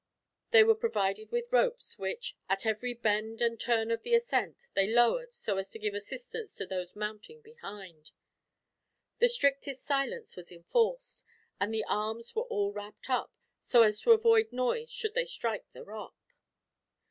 These were provided with ropes which, at every bend and turn of the ascent, they lowered so as to give assistance to those mounting behind. The strictest silence was enforced, and the arms were all wrapped up, so as to avoid noise should they strike the rock.